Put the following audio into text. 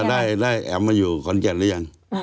ได้แอ๋มมาอยู่ขอนแก่นหรือยัง